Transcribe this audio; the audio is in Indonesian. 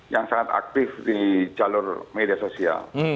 yang sangat aktif di jalur media sosial